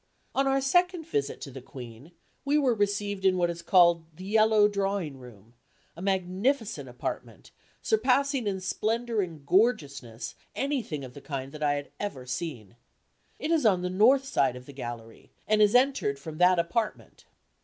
On our second visit to the Queen, we were received in what is called the "Yellow Drawing Room," a magnificent apartment, surpassing in splendor and gorgeousness anything of the kind I had ever seen. It is on the north side of the gallery, and is entered from that apartment.